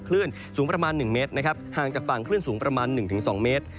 คลื่นสูงประมาณ๑เมตรนะครับห่างจากฝั่งคลื่นสูงประมาณ๑๒เมตร